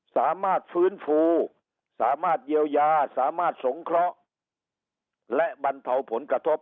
สามารถฟื้นฟูสามารถเยียวยาสามารถสงเคราะห์และบรรเทาผลกระทบ